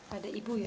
pada ibu ya